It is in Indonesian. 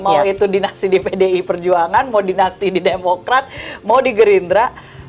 mau itu dinasti di pdi perjuangan mau dinasti di demokrat mau di gerindra